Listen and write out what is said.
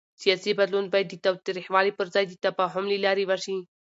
سیاسي بدلون باید د تاوتریخوالي پر ځای د تفاهم له لارې وشي